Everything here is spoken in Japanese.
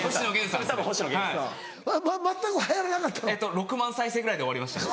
６万再生ぐらいで終わりました。